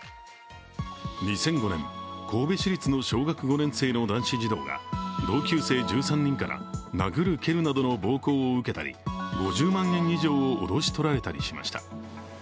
２００５年、神戸市立の小学５年生の男子児童が殴る蹴るなどの暴行を受けたり５０万円以上を脅し取られたりしました。